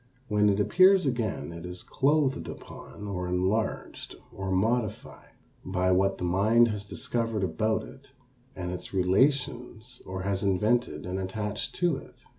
When it appears again it is clothed upon or enlarged or modified by what the mind has discovered about it and its relations or has invented and attached to it.